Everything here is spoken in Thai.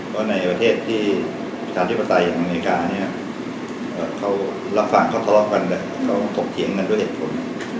เพราะในประเทศที่ประชาธิปัตตาอย่างอเมริกาเนี่ยเค้ารับฟังเค้าทอลอกกันและเค้าตกเถียงกันด้วยเหตุผล